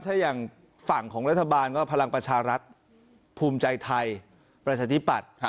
ถ้าอย่างฝั่งของรัฐบาลก็พลังประชารัฐภูมิใจไทยประชาธิปัตย์